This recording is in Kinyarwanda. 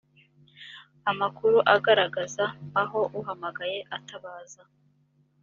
amakuru agaragaza aho uhamagaye atabaza